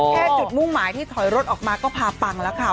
แค่จุดมุ่งหมายที่ถอยรถออกมาก็พาปังแล้วค่ะ